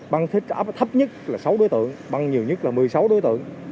băng thấp nhất là sáu đối tượng băng nhiều nhất là một mươi sáu đối tượng